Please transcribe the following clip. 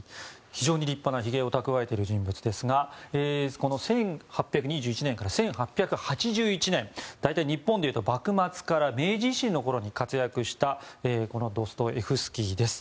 非常に立派なひげをたくわえている人物ですが１８２１年から１８８１年日本でいうと幕末から明治維新のころに活躍したこのドストエフスキーです。